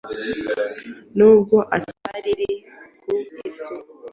n’ubwo atariri ku isi,